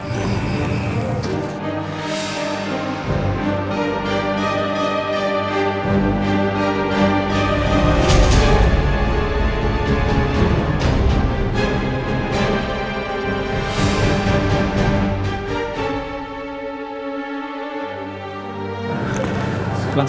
iya pak ustadz